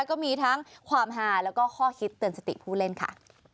ก็มีทั้งความฮาแล้วก็ข้อคิดเตือนสติผู้เล่นค่ะ